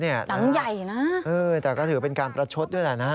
หนังใหญ่นะแต่ก็ถือเป็นการประชดด้วยแหละนะ